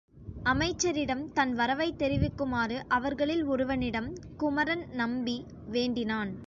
அமைச்சரிடம் தன் வரவைத் தெரிவிக்குமாறு அவர்களில் ஒருவனிடம் குமரன் நம்பி வேண்டினான்.